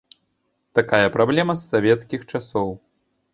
Такая праблема з савецкіх часоў.